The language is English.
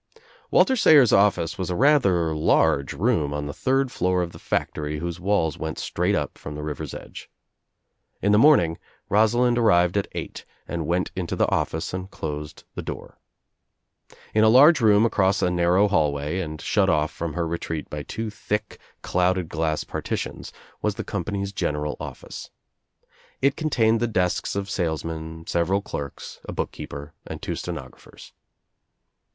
Walter Sayers' office was a rather large room on the third floor of the factory whose walls went straight up from the river's edge. In the morning Rosalind ar rived at eight and went into the office and closed the door. In a large room across a narrow hallway and shut off from her retreat by two thick, clouded glass partitions was the company's general office. It con tained the desks of salesmen, several clerks, a book keeper and two stenographers.